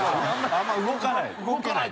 あんま動かない。